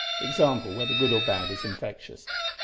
Example, whether good or bad, is infectious.